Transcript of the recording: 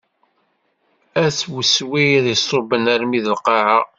At weswir iṣubben armi d lqaɛa.